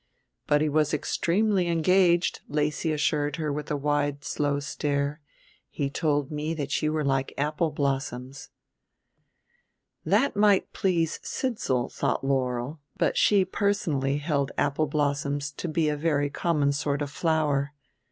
"But he was extremely engaged," Lacy assured her with her wide slow stare. "He told me that you were like apple blossoms." That might please Sidsall, thought Laurel, but she personally held apple blossoms to be a very common sort of flower.